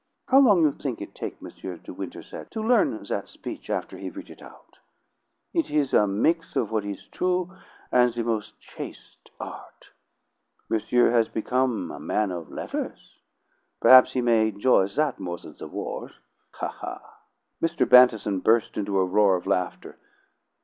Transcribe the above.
How long you think it take M. de Winterset to learn that speech after he write it out? It is a mix of what is true and the mos' chaste art. Monsieur has become a man of letters. Perhaps he may enjoy that more than the wars. Ha, ha!" Mr. Bantison burst into a roar of laughter.